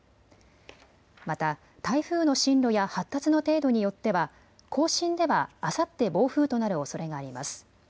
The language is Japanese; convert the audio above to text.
また台風の進路や発達の程度によっては甲信ではあさって暴風となるおそれがあります。